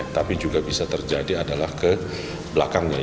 tapi juga bisa terjadi adalah ke belakang